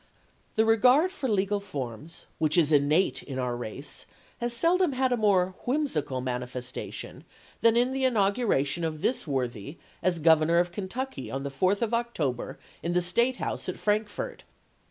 The regard for legal forms, which is innate in our race, has seldom had a more whimsical manifestation than in the in auguration of this worthy as Governor of Kentucky on the 4th of October in the State House at Frank fort.